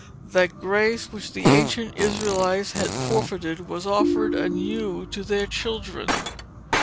That grace, which the ancient Israelites had forfeited, was offered anew to their children.